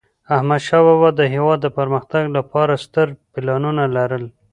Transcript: احمدشاه بابا د هیواد د پرمختګ لپاره ستر پلانونه لرل.